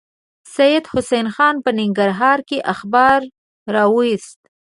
سید حسن خان په ننګرهار کې اخبار راوایست.